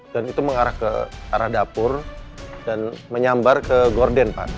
dan itu mengarah ke arah dapur dan menyambar ke gorden pak